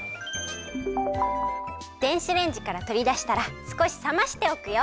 電子レンジからとりだしたらすこしさましておくよ。